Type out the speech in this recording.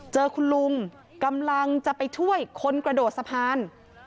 เจอคุณลุงกำลังจะไปช่วยคนกระโดดสะพาน